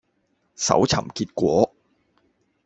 搜尋結果